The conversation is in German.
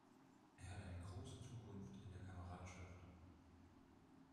Er hat eine große Zukunft in der Kameradschaft!